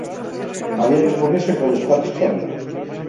Había que ponese coles pates p'arriba.